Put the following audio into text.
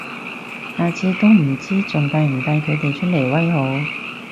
下次都唔知仲帶唔帶佢哋出嚟威好